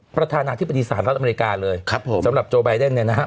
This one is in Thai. ประธานาธิบดีศาลรัฐอเมริกาเลยสำหรับโจแบดเดนเนี่ยนะครับ